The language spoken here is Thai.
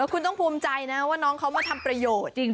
คุณต้องภูมิใจนะว่าน้องเขามาทำประโยชน์จริง